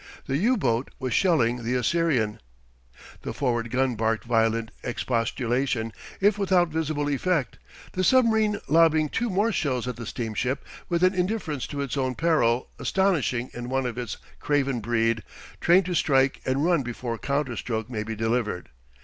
The U boat was shelling the Assyrian. The forward gun barked violent expostulation, if without visible effect; the submarine lobbing two more shells at the steamship with an indifference to its own peril astonishing in one of its craven breed, trained to strike and run before counterstroke may be delivered.